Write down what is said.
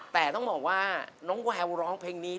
แต่ต้องบอกว่าน้องแววร้องเพลงนี้